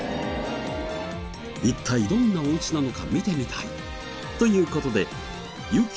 一体どんなお家なのか見てみたい。という事で優基